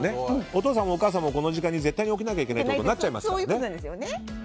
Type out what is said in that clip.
お父さんもお母さんもこの時間に絶対に起きなきゃいけないってなっちゃいますからね。